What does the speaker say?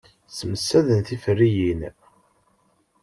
Ssemsaden tiferyin.